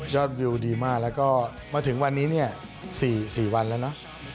ยอดวิวดีมากแล้วก็มาถึงวันนี้๔วันแล้วนะ